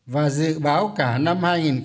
và dự báo cả năm hai nghìn hai mươi